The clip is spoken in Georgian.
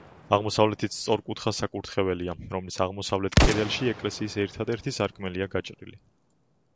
აღმოსავლეთით სწორკუთხა საკურთხეველია, რომლის აღმოსავლეთ კედელში ეკლესიის ერთადერთი სარკმელია გაჭრილი.